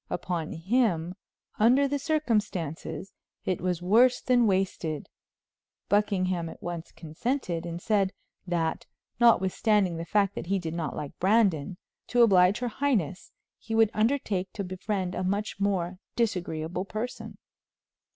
Upon him, under the circumstances, it was worse than wasted. Buckingham at once consented, and said, that notwithstanding the fact that he did not like Brandon, to oblige her highness, he would undertake to befriend a much more disagreeable person.